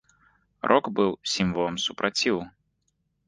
Рок быў сімвалам супраціву.